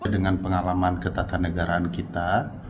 dengan pengalaman ketatanegaraan kita